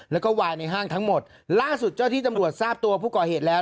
แล้วก็วายในห้างทั้งหมดล่าสุดเจ้าที่ตำรวจทราบตัวผู้ก่อเหตุแล้ว